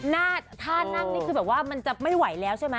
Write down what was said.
หน้าท่านั่งนี่คือแบบว่ามันจะไม่ไหวแล้วใช่ไหม